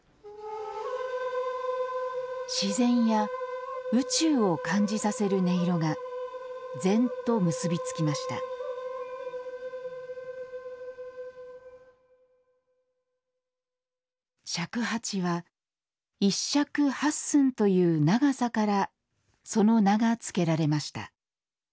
自然や宇宙を感じさせる音色が禅と結び付きました尺八は一尺八寸という長さからその名が付けられました。